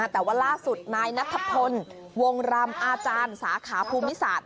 แต่ว่าล่าสุดนายนัทพลวงรำอาจารย์สาขาภูมิศาสตร์